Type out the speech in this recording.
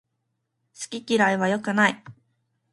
好き嫌いは良くない